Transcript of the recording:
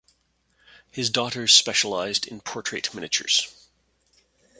His daughters specialized in portrait miniatures.